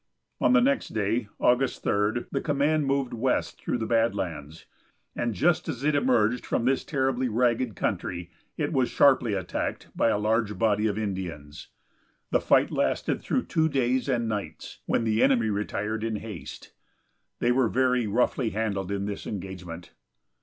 On the next day, August 3d, the command moved west through the Bad Lands, and just as it emerged from this terribly ragged country it was sharply attacked by a large body of Indians. The fight lasted through two days and nights, when the enemy retired in haste. They were very roughly handled in this engagement.